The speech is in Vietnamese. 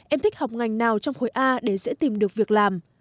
em thích học ngành nào trong khối a để dễ tìm được việc làm